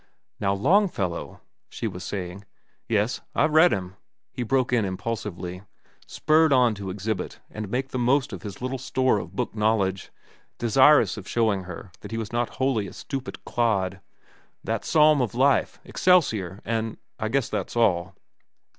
"Now Longfellow—" she was saying. "Yes, I've read 'm," he broke in impulsively, spurred on to exhibit and make the most of his little store of book knowledge, desirous of showing her that he was not wholly a stupid clod. "'The Psalm of Life,' 'Excelsior,' an' ... I guess that's all."